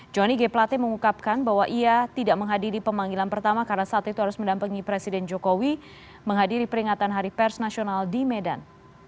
johnny g plate mengungkapkan bahwa ia tidak menghadiri pemanggilan pertama karena saat itu harus mendampingi presiden jokowi menghadiri peringatan hari pers nasional di medan